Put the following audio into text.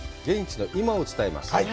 現地の今を伝えます。